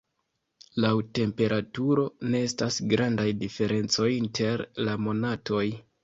Laŭ temperaturo ne estas grandaj diferencoj inter la monatoj.